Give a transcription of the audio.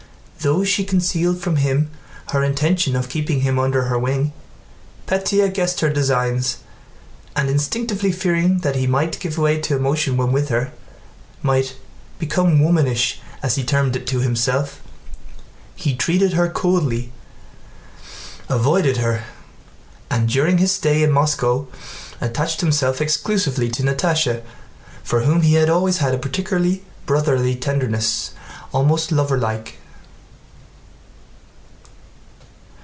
Though she concealed from him her intention of keeping him under her wing, Pétya guessed her designs, and instinctively fearing that he might give way to emotion when with her—might "become womanish" as he termed it to himself—he treated her coldly, avoided her, and during his stay in Moscow attached himself exclusively to Natásha for whom he had always had a particularly brotherly tenderness, almost lover like.